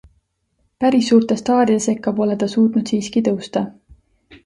Päris suurte staaride sekka pole ta suutnud siiski tõusta.